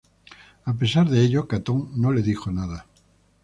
A pesar de ello, Catón no le dijo nada.